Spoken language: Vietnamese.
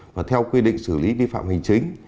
và theo quy định xử lý vi phạm hành chính